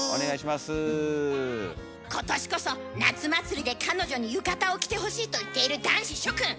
今年こそ夏祭りで彼女に浴衣を着てほしいと言っている男子諸君！